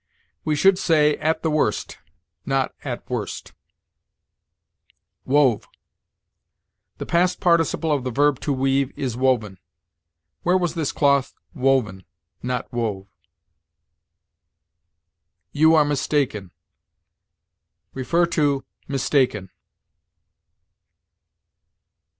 We should say at the worst, not at worst. WOVE. The past participle of the verb to weave is woven. "Where was this cloth woven?" not wove. YOU ARE MISTAKEN. See MISTAKEN.